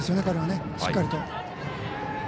彼はしっかりと。